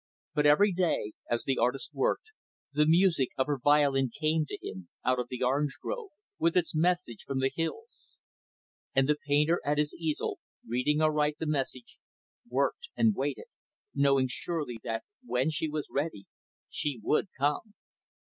But every day, as the artist worked, the music of her violin came to him, out of the orange grove, with its message from the hills. And the painter at his easel, reading aright the message, worked and waited; knowing surely that when she was ready she would come.